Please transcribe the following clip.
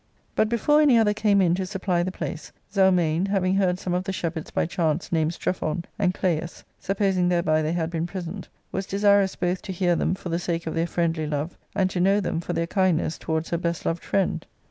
But before any other came in to supply the place, Zelmane, having heard some of the shepherds by chance name Strephon . and Claius, supposing thereby they had been present, was* desirous both to hear them for the sake of their friendly love, and to know them for their kindness towards her best loved friend.